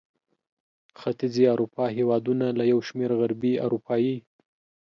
ختیځې اروپا هېوادونه له یو شمېر غربي اروپايي